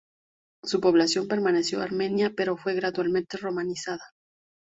Su población permaneció armenia, pero fue gradualmente romanizada.